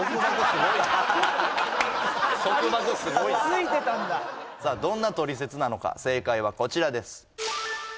りんさんねさあどんなトリセツなのか正解はこちらです